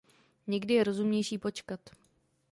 Někdy je rozumnější počkat.